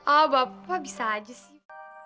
ah bapak bisa aja sih